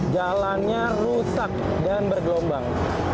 jalannya rusak dan bergelombang